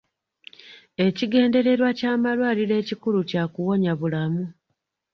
Ekigendererwa ky'amalwaliro ekikulu kya kuwonya bulamu.